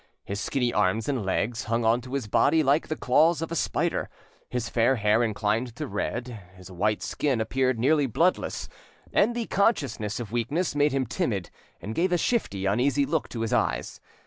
His skinny arms and legs hung on to his body like the claws of a spider, his fair hair inclined to red, his white skin appeared nearly bloodless, and the consciousness of weakness made him timid, and gave a shifty, uneasy look to his eyes.